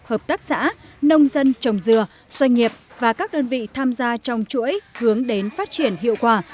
hợp tác xã nông dân trồng dừa doanh nghiệp và các đơn vị tham gia trong chuỗi hướng đến phát triển hiệu quả